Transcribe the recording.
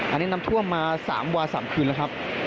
อันนี้น้ำท่วมมา๓วัน๓คืนแล้วครับ